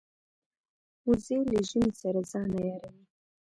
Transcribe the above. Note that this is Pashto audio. وزې له ژمې سره ځان عیاروي